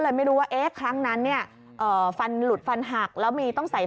ไม่รู้ว่าเอ๊ะครั้งนั้นเนี่ยเอ่อฟันหลุดฟันหักแล้วมีต้องใส่